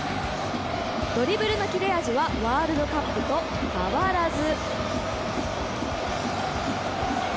ドリブルの切れ味はワールドカップと変わらず。